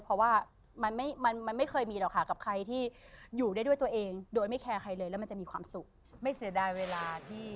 เพราะว่ามันไม่เคยมีหรอกค่ะ